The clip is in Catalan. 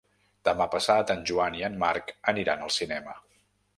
Demà passat en Joan i en Marc aniran al cinema.